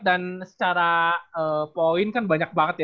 dan secara poin kan banyak banget ya